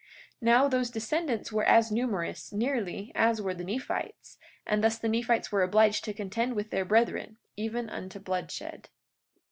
43:14 Now those descendants were as numerous, nearly, as were the Nephites; and thus the Nephites were obliged to contend with their brethren, even unto bloodshed.